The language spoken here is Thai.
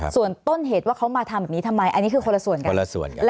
ส่วนต้นเหตุว่าเขามาทำแบบนี้ทำไมอันนี้คือคนละส่วน